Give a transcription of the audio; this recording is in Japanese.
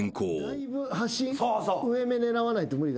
だいぶ端上め狙わないと無理だね。